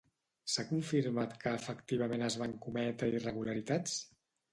S'ha confirmat que efectivament es van cometre irregularitats?